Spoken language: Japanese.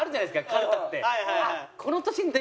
かかるたって。